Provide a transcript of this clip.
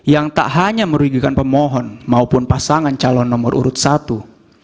yang tak hanya merugikan pemohon maupun pasangan calon nomor urut satu